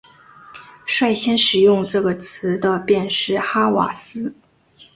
率先使用这个词的便是哈瓦斯。